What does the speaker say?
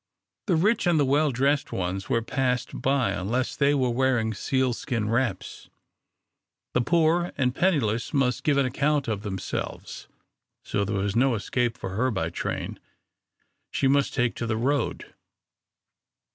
The rich and well dressed ones were passed by unless they were wearing sealskin wraps, the poor and penniless must give an account of themselves. So there was no escape for her by train. She must take to the road.